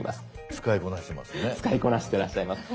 使いこなしてらっしゃいます。